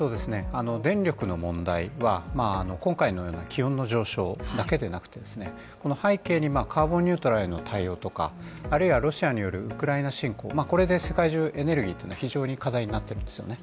電力の問題は、今回のような気温の上昇だけでなくて、背景にカーボンニュートラルへの対応とかあるいはロシアによるウクライナ侵攻、これで世界中、エネルギーというのが非常に課題になっているんですよね。